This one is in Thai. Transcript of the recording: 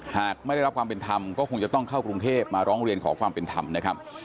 หากไม่ได้รับความเป็นธรรมก็คงจะต้องเข้ากรุงเทพมาร้องเรียนขอความเป็นธรรมนะครับ